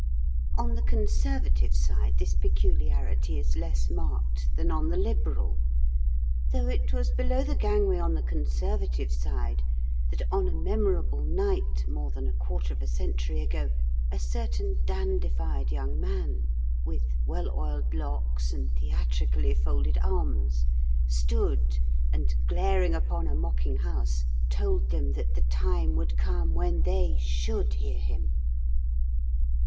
On the conservative side this peculiarity is less marked than on the Liberal, though it was below the gangway on the Conservative side that on a memorable night more than a quarter of a century ago a certain dandified young man, with well oiled locks and theatrically folded arms, stood, and, glaring upon a mocking House, told them that the time would come when they should hear him.